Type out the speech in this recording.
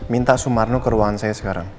minta sumarno ke ruangan saya sekarang